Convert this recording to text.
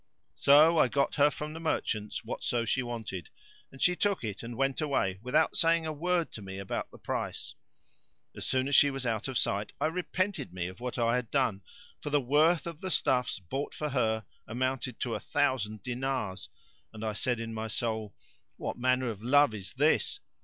So I got her from the merchants whatso she wanted, and she took it and went away without saying a word to me about the price. As soon as she was out of sight, I repented me of what I had done; for the worth of the stuffs bought for her amounted to a thousand dinars, and I said in my soul, "What manner of love is this?